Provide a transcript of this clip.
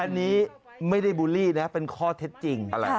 อันนี้ไม่ได้บูลลี่นะเป็นข้อเท็จจริง